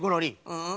うん？